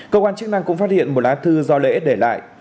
cơ quan chức năng cũng phát hiện một lá thư do lễ để lại